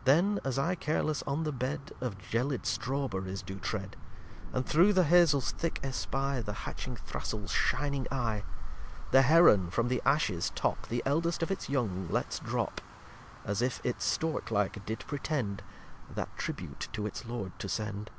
lxvii Then as I carless on the Bed Of gelid Straw berryes do tread, And through the Hazles thick espy The hatching Thrastle's shining Eye, The Heron from the Ashes top, The eldest of its young lets drop, As if it Stork like did pretend That Tribute to its Lord to send.